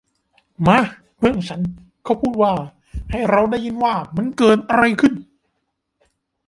มา เพื่อนของฉัน เขาพูดว่า ให้เราได้ยินว่ามันเกิดอะไรขึ้น !